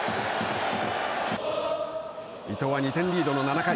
伊藤は２点リードの７回。